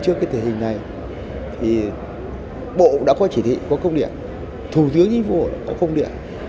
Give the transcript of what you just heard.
trước cái thể hình này bộ đã có chỉ thị có công điện thủ tướng nhân vụ đã có công điện